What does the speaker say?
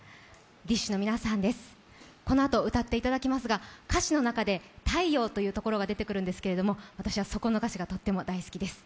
ＤＩＳＨ／／の皆さんです、このあと歌っていただきますが、歌詞の中で「太陽」というところが出てくるんですが私はそこの歌詞がとっても大好きです。